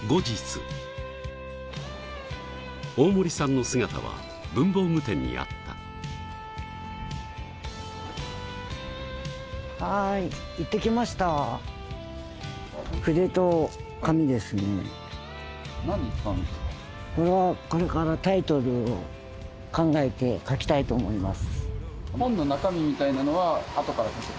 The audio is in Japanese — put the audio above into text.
大森さんの姿は文房具店にあったこれはこれからタイトルを考えて書きたいと思います